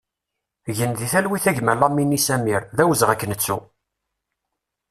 Gen di talwit a gma Lamini Samir, d awezɣi ad k-nettu!